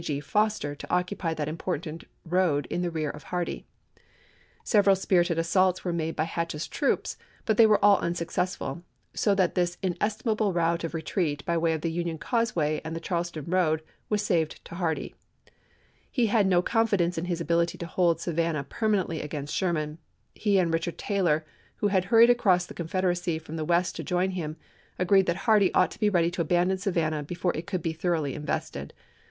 G. Foster to occupy that important road in the rear of Hardee. Several spirited assaults were made by Hatch's troops, but they were all un successful ; so that this inestimable route of retreat by way of the Union causeway and the Charleston road, was saved to Hardee. He had no confidence in his ability to hold Savannah permanently 488 ABKAHAM LINCOLN Sherman, "Memoirs.' Vol. IT., against Sherman. He and Richard Taylor, who had hurried across the Confederacy from the west to join him, agreed that Hardee ought to be ready to abandon Savannah before it could be thoroughly invested.